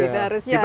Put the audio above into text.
kita harusnya ada